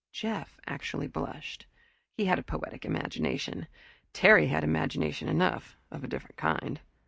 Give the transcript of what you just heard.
Jeff actually blushed. He had a poetic imagination. Terry had imagination enough, of a different kind.